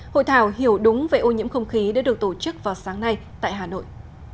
hội thảo hiểu đúng về ô nhiễm không khí đã được tổ chức vào sáng nay tại hà nội